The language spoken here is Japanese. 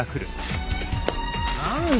何だ？